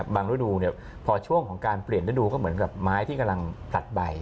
ฤดูพอช่วงของการเปลี่ยนฤดูก็เหมือนกับไม้ที่กำลังตัดใบ